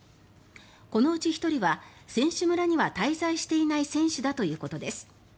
このうち１人は選手村には滞在していない選手だということです。